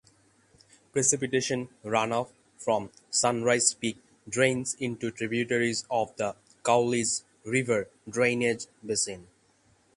Precipitation runoff from Sunrise Peak drains into tributaries of the Cowlitz River drainage basin.